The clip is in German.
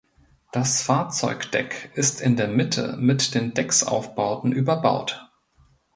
Das Fahrzeugdeck ist in der Mitte mit den Decksaufbauten überbaut.